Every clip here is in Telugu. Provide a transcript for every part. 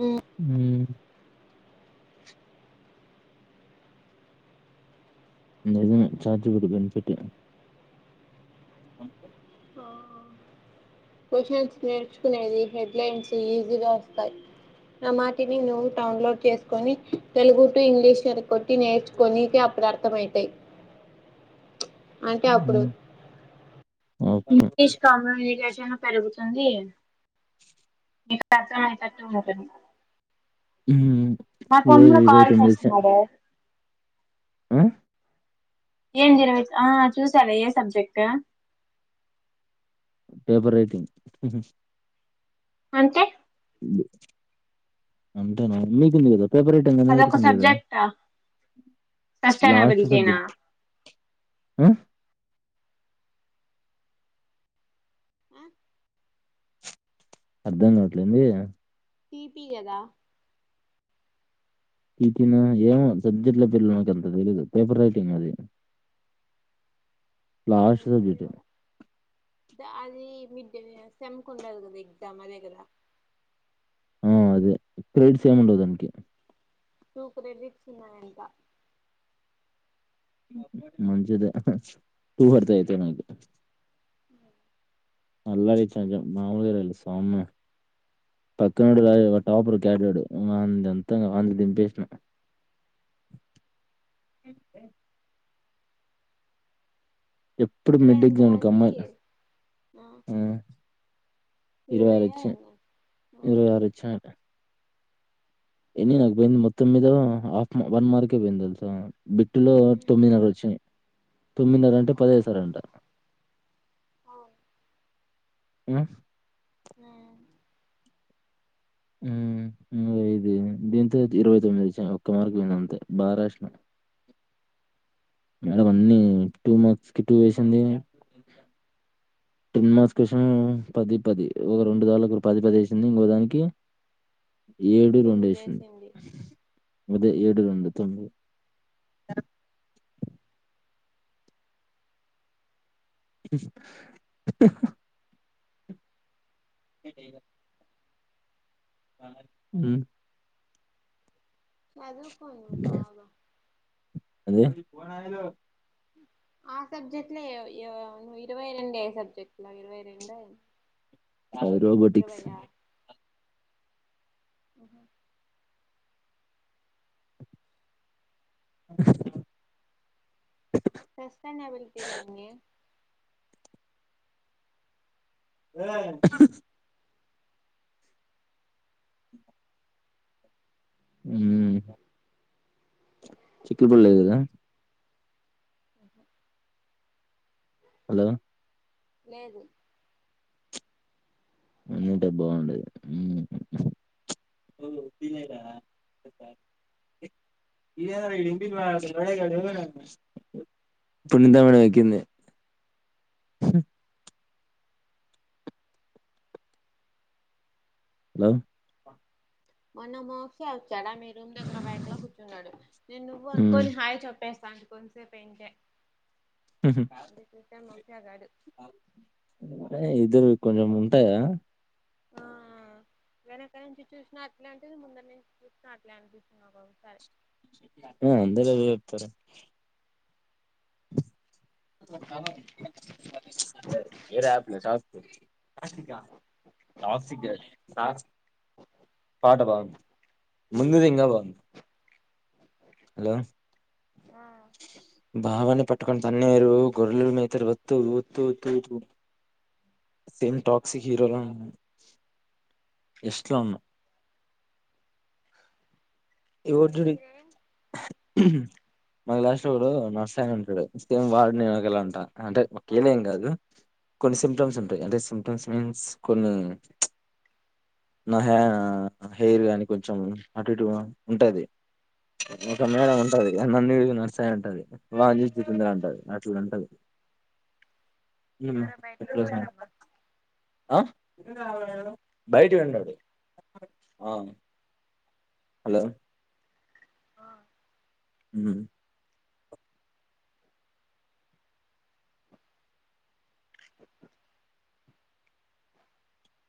మ్మ్ హ నిజమే chat G P T [unintelligible] questions నేర్చుకునేది హెడ్లైన్స్ ఈజీగా వస్తాయి ఆ మాటిని నువ్వు డౌన్లోడ్ చేసుకొని తెలుగు టు ఇంగ్లీష్ అర కొట్టి నేర్చుకొని అప్పుడు అర్థమవుతాయి అంటే అప్పుడు హ్మ్. ఓకే. ఇంగ్లీష్ కమ్యూనికేషన్ పెరుగుతుంది మీ తజ [unintelligible] ఉంటుంది హ మా తమ్ముడు కాల్ చేస్తున్నాడే ఆ ఏం జరు ఆ చూసాలా ఏ సబ్జెక్ట్ పేపర్ రైటింగ్ అంతే అంటేనా మీకుంది కదా [inaudible] అదొక పర్ట్ సబ్జెక్టా లాస్ట్ సస్టైనబిలిటీనా సబ్జెక్ట్ హ్మ్ అర్ధం కావట్లేంది టి పి కదా తిట్టిన ఏమో సబ్జెక్ట్ లో పిల్ల మాకు అంత తెలీయదు పేపర్ రైటింగ్ అది లాస్ట్ సబ్జెక్ట్ అది మిడ్డే సేమ్ కి ఉండదు కదా ఎగ్జామ్ అది కదా ఆ అదే క్రెడిట్స్ ఏమి ఉండవు దానికి టూ క్రెడిట్స్ ఉన్నాయి ఇంకా మంచిద టూ వర్తా అయితే నాకు ఉ నల్ల రీచ మామలుగారుళ సమి పక్కనడు టాపర్ కేడాడు అంతా కాధ దింపేసిన ఎప్పుడు మిడ్ ఎగ్జామ్ కు సురేంద్రకి అమ్మాయికు ఆ ఇరవై ఆరు ఇరవైయా వచ్చాయ్ ఎన్నో ఆ ఇరవై ఆరు వచ్చ ఎని నాకు అన్ని మొత్తం మీద హాఫ్ వన్ మార్కే పోయింది తెలుసా బిట్టులో తొమ్మిదిన్నర వచ్చా తొమ్మిదిన్నర అంటే పదివేసారంట అవును హ్మ్మ్ ఆ ఇయిది దీంతో ఇరవై తొమ్మిది వచ్చా ఒక్క మార్క్ పోయింది అంతే బాగా రాసిన మేడం అన్ని టూ మంత్స్ కి టూ వేసింది టెన్ మార్స్ క్యూస్షన్ పది పది ఓ రెండు దాన్లో ఒక పది పది వేసింది ఇంకోదానికి ఏడు రెండు ఎసింది తొమ్మిదేసింది అ ఏడు రెండు తొమ్మిది టెల హ్మ్మ్ అదుకొను బాగా ఓరి నాయనో ఆ సబ్జెక్ట్లో ఇరవై రెండు సబ్జెక్ట్లో ఇరవై రెండు రోబోటిక్స్ ఆహా సస్టైనబిలిటీ లేండి ఏయ్ హ్మ్మ్ చిక్కిల్ ప లేదు కదా ఆహా హలో లేదు అన్నిత బాగుండేడి హ్మ్ ఉహు సునీత మేడం ఎకింది హలో మన మాఫియాల్ చానా మీ రూమ్ దగ్గర రా బయటలో కూర్చున్నాడు నేను నువ్వు హ్మ్ అనుకోని హాయి చెప్పేస్తా. స అంత కొంచ సే పెయింట అదికత మాఫి గారు ఇద్దరు కొంచెం ఉంటాయా ఆ వెనక్కడి నుంచి చూసినా అట్లా అంటేది ముందరి నుంచి చూసినా అట్లే అనిపిస్తున్నా ఒకసారి ఉమ్ అందేద చెప్టారు ఏరా పిల్సావ్ పాట బంది ముందుది ఇకా బగుంది హలో ఆ భావని ప పట్టుకొని తన్నీరు గొర్రలు మీత ఒత్తు ఒత్తుతు సేమ్ టాక్సిక్ హీరోలో ఎస్ట్లా ఉన్నా ఎవరు డాడీ దిగిరే మళ లాస్ట్డు నర్స్ అయన ఉంటాడు సేమ్ వాడు నేనులా అంటా అంటే ఒక ఏళ ఏం కాదు కొన్ని సిమ్టమ్స్ ఉంటాయి అంటే సిమ్టమ్స్ మీన్స్ కొన్ని నా హె హెయిర్ కానీ కొంచెం అటి ఉంటది ఒక మేడం ఉంటది నన్న నడుస్తాయి ఉంటది వాతుందర అంటది అట్ ఉంటది ఉహుమ్ ఎవరో బయటకు ఎట్లు స వచ్చినారమ్మా ఎ రావడం బయటి ఉండాడు ఆ హలో ఆ ఉమ్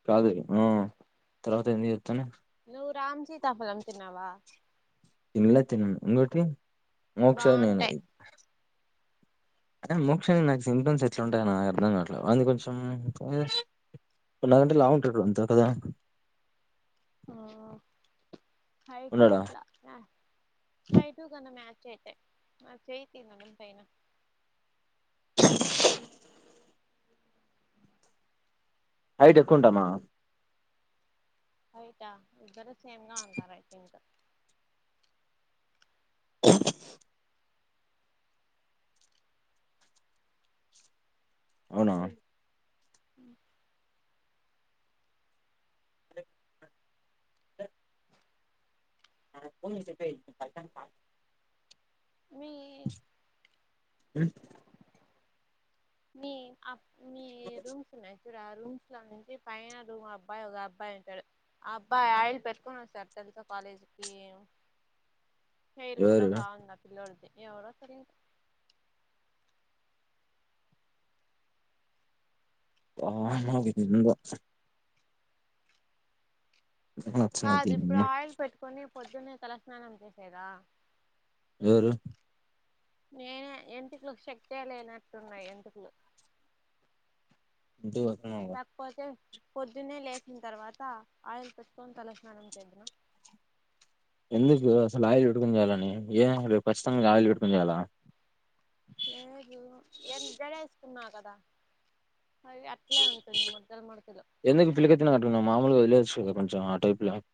కాదు ఆ తర్వాత ఎంద ఇతను ను్వు రామ్జీతాఫలం తిన్నవా తినలా తినను ఉంటి మోక్షక్షాయి నేను బాగుంటాయి ఇ ఆ మోక్షాంగా నాకు సిమ్టమ్స్ ఎట్లా ఉంటాయ నాకు అర్థం కాట్లో అందు కొంచెం కొ నాకంటే లాంగ్ ట్ర్రిప్ ఎంత కదా ఆ హై టూ ఉన్నాడా? అట్లా హై్ టూ కన్నా మచ్ చే చేతందడు పైనా హైట్ ఎక్కువంటామా హైట్ ఆ ఇద్దరు సేమ్ గా ఉంటారుయితే ఇంకా ఆ అవునా అ దా పూమిపోయి పత పా మీ ఉమ్ మీ ఆ మీ రూమ్స్న్నాయితు రా రూమ్స్ లో నుంచి పైన రూమ్ అబ్బాయి ఒక అబ్బాయి ఉంటాడు ఆ అబ్బాయి ఆయిల్ పెట్టుకుొని వస్తారు తెలుసా కాలేజీకిి హేరు కూడా ఎవరు? బాగుంది ఆ పిలోడ్ది ఎవడో తెలియద్ ఆహ [unintelligible] నచ్చన్నాది పొద్దున్న తలస్నానం చేసేదా ఏరు నేనే ఎంటకులు శక్తి లేనట్టున్నాయి ఎంటుకులు [unintelligible] పొద్దున్నే లేచిన తర్వాత ఆయిల్ పెట్టుకొని తల స్నానం చేయనా ఎందుకు అసలు ఆయిలు పెటుకొని చేయాలని ఏ రేపు ఖచ్చితంగా ఆయిలు పెట్టుకొని చేయాల ఏ ఎంత జడ కున్నా కదా అట్లే ఉంటుంది ముడాతలు మడుతలు కొంచ ఆ టైప్ [unintelligible]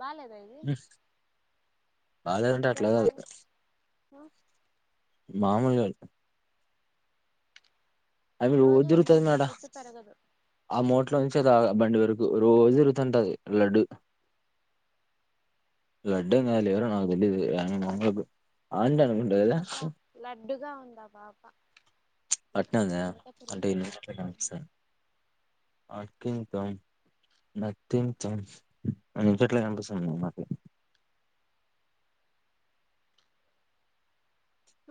బాలేదా ఇది అదేదంటే జడ అట్లా కాదు బాలే [inaudible] మామలుగా [unintelligible] రోజు ఓద్రుతుది మే వదిలేస్తే అడ జుట్టు పెరగదు ఆ మోట బడి పరుకు రోజురుతంటది లడ్డు లడ్ లేర నా తెలిదు [unintelligible] [unintelligible] అడ్డుగా ఉందా పాప [unintelligible] అందుకే అంటే తిరుగుతుంది అక్కించం నతించం అని చెట్ల కనిపిస్తుంది [unintelligible]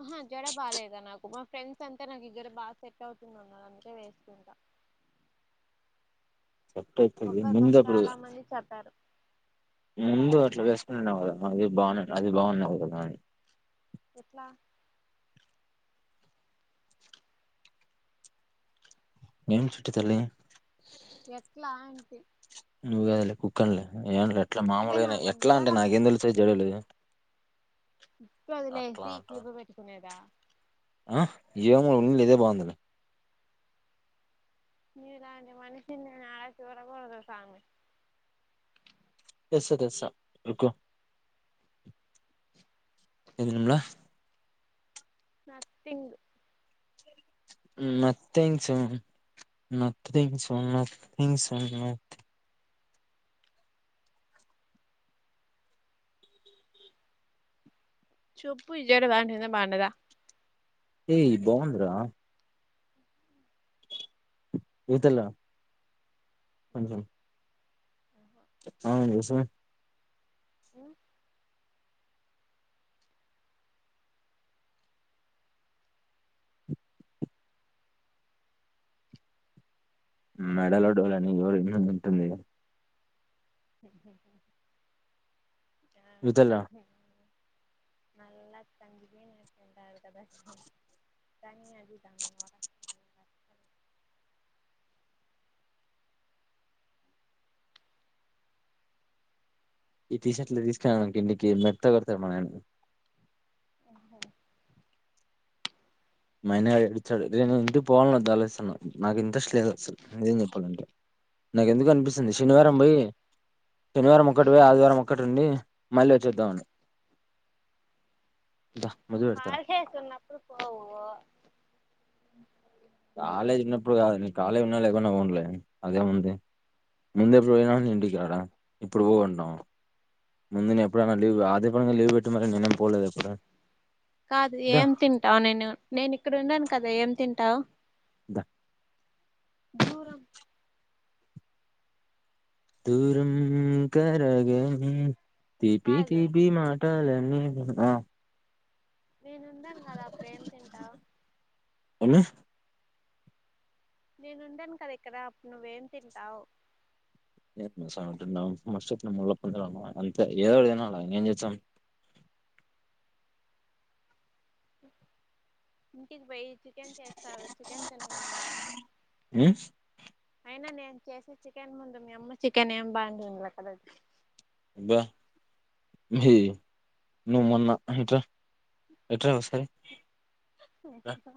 హా జడ బాలేద నాకు ఫ్రెండ్స్ అంతా నాకు ఇ్గర బాగా సెట్ అవుతుందిన్నదంతే వేస్తుంటా సెట్ అయితది ఒక్కక్క ముందు అప్పుడు చాలా మంది చెప్పారు ముందు అట్లా వేసుకున్నావు కదా అది బాగు అది బాగున్నావు కదాని ఎట్లా ఏం చిటితల్లి ఎట్లా అంటే నిన్ను కాదు లే కుక్క లే [unintelligible] ఇట్లా అదే మామలుగా నాకు ఎలా జడ అంటే నాకేం తెలుసు అయితే జడ లేద [unintelligible] వదిలేసి క్లిబ పెట్టుకునేదా ఆ ఏమో [unintelligible] బాగుందిలే నీలాంటి మనిషిని నేను యాడ చూడలేదు స్వామి తెస్సా తెస్సా మీకు ఎం తింలే nothing nothings nothings so much nothings so much చెప్పు [unintelligible] పండగా ఏయ్ బాగుంద్రా ఇది ఏల కొంచెం అవును నిజమే హ్ మెడలడోళ్ళని ఎవరో [unintelligible] టుందిగా హ ఇదేల నళ్ళ తంగిపోయినట్టు ఉంటారు కదా [unintelligible] ఈ టీ షర్ట్లు తీసుక రావడనికి ఇంటికి మెత్తగా కొడతారు మ నయాన ఓహో మాన్నయ్య ఏడుచ్చడు. నేను ఇంటికి పోవాల్ల వద్ద అని ఆలోచిస్తున్న నాకు ఇంట్రెస్ట్ లేదు. అసలు నిజం చెప్పాలంటే నాకు ఎందుకు అనిపిస్తు ఏం శనివారం చేయదు పోయి శనివారం ఒకటి పోయి ఆదివారం ఇక్కడ ఉండి మళ్ళీ వచ్చేద్దామని మొదలు పెడతారా కాల్ చేస్తున్నప్పుడు పోవు కాలేజ్ ఉన్నప్పుడు కాదు. నేన్ కాలేజ్ ఉన్నా లేకున్నా పోనూలే అదే ముంది ముందు ఎప్పుడు పోయినా ఇంటికాడ ఇప్పుడు పోగుంటాము ముందునా ఎప్పుడన్న ఎప్పుడు కాదు దా ఏం తింటావు. నేను నేను ఇక్కడ ఉన్నాను. కదా ఏం తింటావు దా దూరం దూరం కరగనీ తీపి కాదు తీపి మాటలానె ఉహ్ ఆ నేను ఉండను కదా అప్పుడు ఏం తింటావ్. అన్న నేనుండను కదా ఇక్కడ అప్పుడు నువ్వేం తింటావు. మసాలా తింటాం. మస్త్ చెప్పినం ముళ్ళ పందిల ఉన్నం అంతే ఏదోటి ఏనా తినాలే ఇంకేం చేస్తాం. హ్ కి పోయి చికెన్ తేస్తారు. చికెన్ తినకుండా ఉమ్ అయినా నే నువు చేసే చికెన్ ముందు మీ అమ్మ చికెన్ ఏం బాగుంట్టుందిలే [unintelligible] ద మీ నువ్వు మొన్నా ఇటుర ఇటు రారా సాయి అహ హా